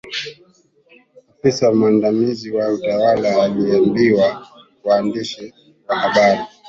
Afisa mwandamizi wa utawala aliwaambia waandishi wa habari.